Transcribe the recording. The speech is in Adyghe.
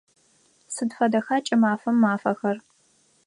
Сыд фэдэха кӏымафэм мафэхэр?